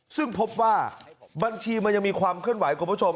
ซึ่งพบว่าบัญชีมันยังมีความเคลื่อนไหวคุณผู้ชม